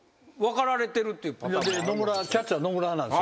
キャッチャー野村なんですよ。